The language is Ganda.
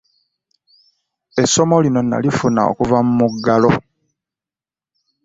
Essomo lino nalifuna okuva mu muggalo.